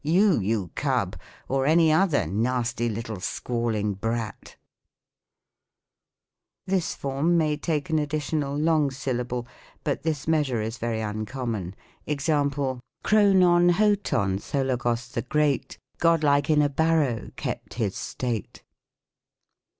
You, you cub, or any other, Nasty little squalling brat." "Would you, you disagreeable old Bachelor'!'' This form may take an additional long syllable, but this measure is very uncommon. Example :" Chrononhotonthologos the Great, Godlike in a barrow kept his state.